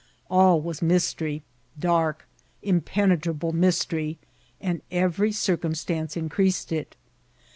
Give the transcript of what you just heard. All was mystery, dark, impenetrable mys tery, and every circumstance increased it.